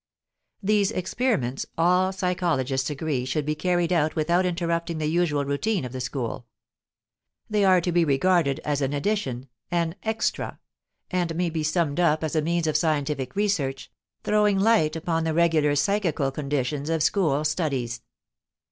These experiments all psychologists agree should be carried out without interrupting the usual routine of the school. They are to be regarded as an addition, an extra, and may be summed up as a means of scientific research, throwing light upon the regular psychical conditions of school studies.